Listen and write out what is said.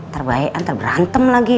terbaikan terberantem lagi